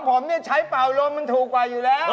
ของผมใช้เป่าลมมันถูกกว่าอยู่แล้ว